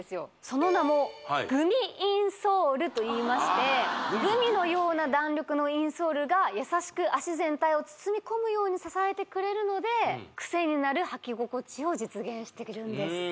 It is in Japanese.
その名もグミインソールといいましてグミのような弾力のインソールが優しく足全体を包み込むように支えてくれるのでクセになる履き心地を実現しているんです